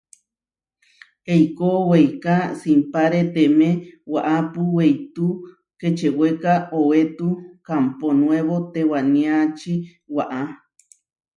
Eikó weiká simpáreteme waʼápu weitú Kečewéka, owetú Kámpo Nuébo tewániači waʼá.